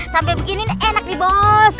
sampai begini enak di bos